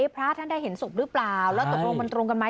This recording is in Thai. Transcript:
พระท่านได้เห็นศพหรือเปล่าแล้วตกลงมันตรงกันไหม